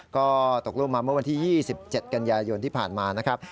ก็ตกลูกมาเมื่อวันที่๒๗กันยายนที่ผ่านมานะครับ